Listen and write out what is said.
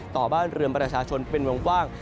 ต่อบ้านเรือนประชาชนเป็นวงกว้าง